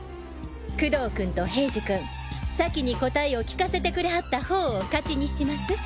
工藤君と平次君先に答えを聞かせてくれはったほうを勝ちにします。